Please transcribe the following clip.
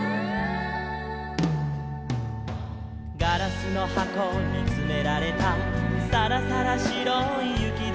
「ガラスのはこにつめられた」「さらさらしろいゆきでした」